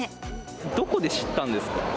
どこで知ったんですか？